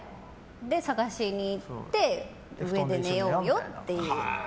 で、探しに行って上で寝ようよって言って。